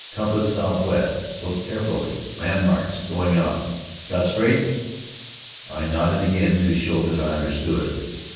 Compass southwest. Look carefully landmarks going out. Got straight?" I nodded again to show that I understood.